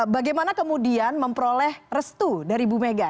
bagaimana kemudian memperoleh restu dari bumega